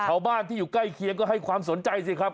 ชาวบ้านที่อยู่ใกล้เคียงก็ให้ความสนใจสิครับ